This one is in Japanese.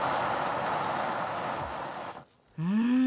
うん！